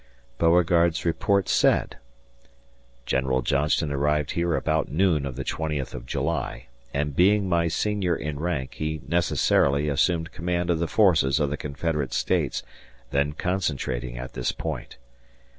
Beauregard's report said: General Johnston arrived here about noon of the both of July, and being my senior in rank he necessarily assumed command of the forces of the Confederate States then concentrating at this point.